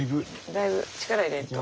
だいぶ力入れんと。